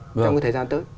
trong thời gian tới